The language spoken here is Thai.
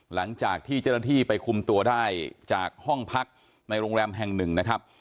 หลังจากที่เจ้าหน้าที่ไปคุมตัวได้จากห้องพักในโรงแรมแห่งหนึ่งนะครับ